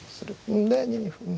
で２二歩。